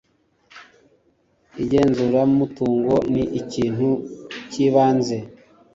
igenzuramutungo ni ikintu cy'ibanze